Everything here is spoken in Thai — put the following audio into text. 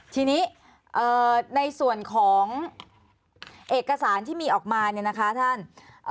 ทีนี้ในส่วนของเอกสารที่มีออกมาเนี่ยนะคะท่าน